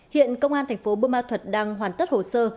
hiện công an tp bumathuat đang hoàn tất hồ sơ